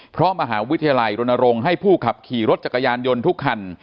เพราะมหาวิทยาลัยรณรงค์ให้ผู้ขับขี่รถจักรยานยนต์ทุกคัน